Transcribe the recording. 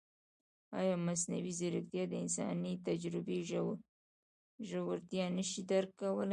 ایا مصنوعي ځیرکتیا د انساني تجربې ژورتیا نه شي درک کولی؟